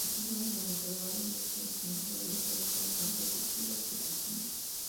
Existen en la localidad algunos establecimientos agrícolas como plantas de silos y oficinas.